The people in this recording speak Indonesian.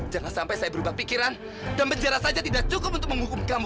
jangan sampai saya berubah pikiran dan penjara saja tidak cukup untuk menghukum kamu